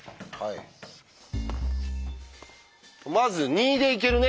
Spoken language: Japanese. まず２でいけるね。